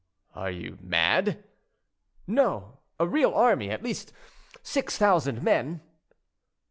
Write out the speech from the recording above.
"Are you mad?" "No; a real army—at least six thousand men."